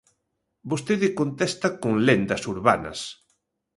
Vostede contesta con lendas urbanas.